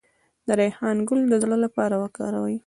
د ریحان ګل د زړه لپاره وکاروئ